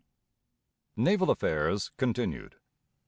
Naval Affairs (continued).